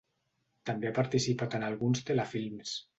També ha participat en alguns telefilms.